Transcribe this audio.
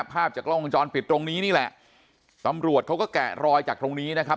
ภาพจากกล้องวงจรปิดตรงนี้นี่แหละตำรวจเขาก็แกะรอยจากตรงนี้นะครับ